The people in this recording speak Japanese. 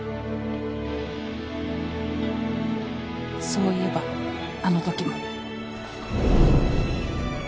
そういえばあの時も